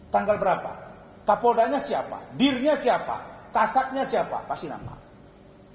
tanggal berapa kapoldanya siapa dirinya siapa kasatnya siapa pasti nama